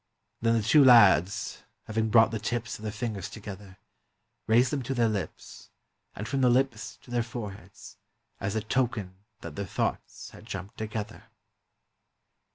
Then the two lads, having brought the tips of their fingers together, raised them to their lips, and from the lips to their foreheads, as a token that their thoughts had jumped together.